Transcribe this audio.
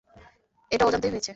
এটা অজান্তেই হয়েছে?